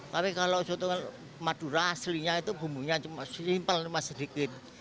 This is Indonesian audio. tapi kalau soto madura aslinya itu bumbunya simple cuma sedikit